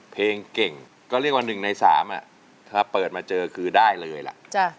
เพลงเก่งก็เรียกว่า๑ใน๓ถ้าเปิดมาเจอคือได้เลยล่ะ